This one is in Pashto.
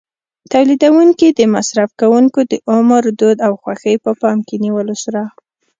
تولیدوونکي د مصرف کوونکو د عمر، دود او خوښۍ په پام کې نیولو سره.